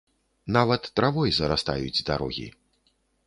Нават травой зарастаюць дарогі.